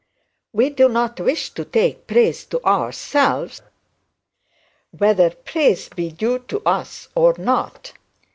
We do not wish to take praise to ourselves whether praise is due or not.